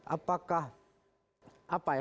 apakah apa ya